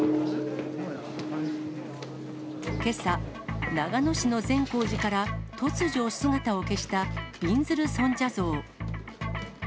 けさ、長野市の善光寺から突如姿を消したびんずる尊者像。